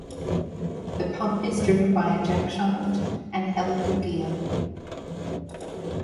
The pump is driven by a jackshaft and helical gear.